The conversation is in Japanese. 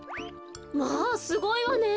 まあすごいわね。